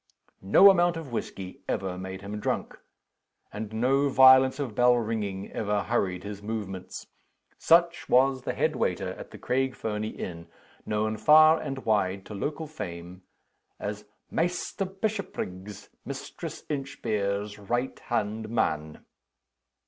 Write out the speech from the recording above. No amount of whisky ever made him drunk; and no violence of bell ringing ever hurried his movements. Such was the headwaiter at the Craig Fernie Inn; known, far and wide, to local fame, as "Maister Bishopriggs, Mistress Inchbare's right hand man."